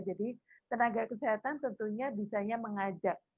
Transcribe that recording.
tenaga kesehatan tentunya bisanya mengajak